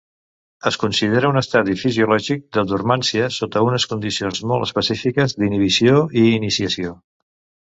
Es considera un estadi fisiològic de dormància sota unes condicions molt específiques d'inhibició i iniciació.